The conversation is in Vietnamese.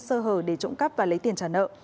sơ hở để trộm cắp và lấy tiền trả nợ